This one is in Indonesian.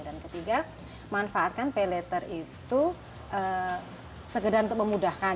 dan ketiga manfaatkan payletter itu segedar untuk memudahkan